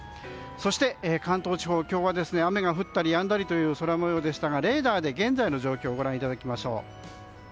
そして、関東地方今日は、雨が降ったりやんだりの空模様でしたがレーダーで現在の状況をご覧いただきましょう。